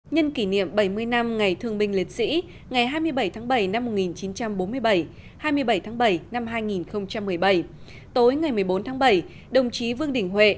nhân kỷ niệm bảy mươi năm ngày thương binh liệt sĩ ngày hai mươi bảy tháng bảy năm một nghìn chín trăm bốn mươi bảy hai mươi bảy tháng bảy năm hai nghìn một mươi bảy tối ngày một mươi bốn tháng bảy đồng chí vương đình huệ